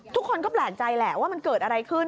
ทุกคนก็แปลกใจแหละว่ามันเกิดอะไรขึ้น